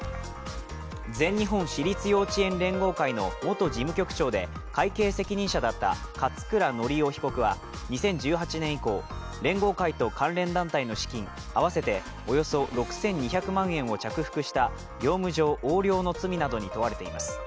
全日本私立幼稚園連合会の元事務局長で会計責任者だった勝倉教雄被告は２０１８年以降、連合会と関連団体の資金合わせておよそ６２００万円を着服した業務上横領の罪などに問われています。